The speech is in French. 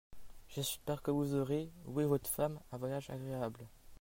J'espère que vous aurez, vous et votre femme, un voyage agréable.